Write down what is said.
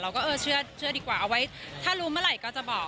เออเชื่อดีกว่าเอาไว้ถ้ารู้เมื่อไหร่ก็จะบอก